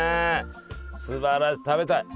すばらしい食べたい！